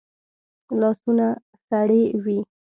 لاسونه سړې وي